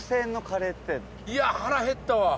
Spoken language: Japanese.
いや、腹減ったわ。